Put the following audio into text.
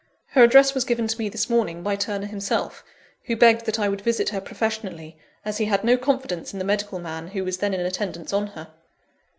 Her address was given to me this morning, by Turner himself; who begged that I would visit her professionally, as he had no confidence in the medical man who was then in attendance on her.